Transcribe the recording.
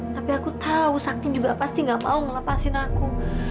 tapi aku tahu sakti juga pasti gak mau melepaskan aku